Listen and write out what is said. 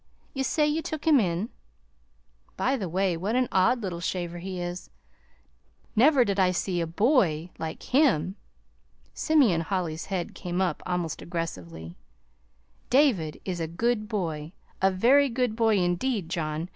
You say you took him in? By the way, what an odd little shaver he is! Never did I see a BOY like HIM." Simeon Holly's head came up almost aggressively. "David is a good boy a very good boy, indeed, John.